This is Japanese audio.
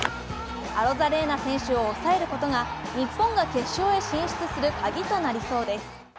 アロザレーナ選手を抑えることが日本が決勝へ進出する鍵となりそうです。